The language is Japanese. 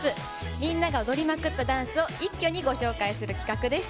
みんなが踊りまくったダンスを一挙にご紹介する企画です。